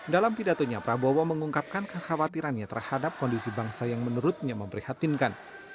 dalam pidatonya prabowo mengungkapkan kekhawatirannya terhadap kondisi bangsa yang menurutnya memprihatinkan